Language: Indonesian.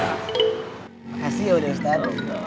makasih udhah ustaz